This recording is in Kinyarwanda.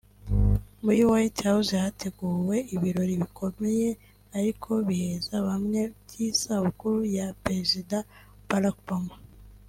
muri White House hateguwe ibirori bikomeye [ariko biheza bamwe] by’isabukuru ya Perezida Barack Obama